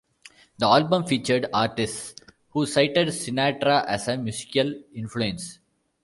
The album featured artists who cited Sinatra as a musical influence.